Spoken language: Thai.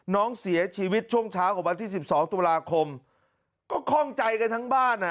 น้องเสียชีวิตช่วงเช้าของวันที่สิบสองตุลาคมก็คล่องใจกันทั้งบ้านอ่ะ